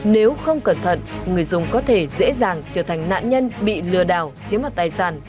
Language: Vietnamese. nếu không cẩn thận người dùng có thể dễ dàng trở thành nạn nhân bị lừa đảo chiếm mặt tài sản